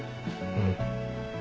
うん。